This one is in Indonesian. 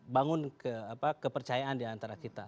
bangun kepercayaan di antara kita